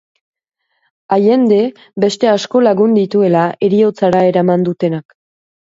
Allende, beste asko lagun dituela, heriotzara eraman dutenak.